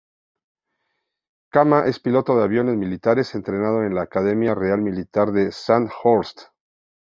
Khama es piloto de aviones militares, entrenado en la Academia Real Militar de Sandhurst.